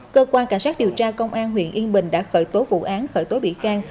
cơ quan cảnh sát điều tra công an huyện yên bình đã khởi tố vụ án khởi tố bị can